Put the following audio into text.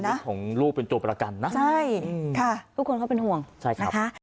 แล้วก็อย่าไปเอาชีวิตของลูกเป็นตัวประกันนะทุกคนเขาเป็นห่วงนะคะ